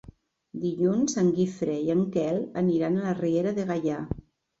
Dilluns en Guifré i en Quel aniran a la Riera de Gaià.